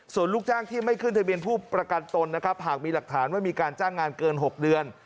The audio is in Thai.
ส่วนลูกจ้างที่ไม่ขึ้นทะเบียนผู้ประกันตนนะครับหากมีหลักฐานว่ามีการจ้างงานเกิน๖เดือน